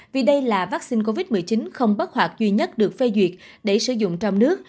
vì đây là vaccine covid một mươi chín không bắt hoạt duy nhất được phê duyệt để sử dụng trong nước